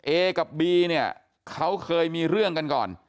เอกับบีเนี่ยเขาเคยมีเรื่องกันก่อน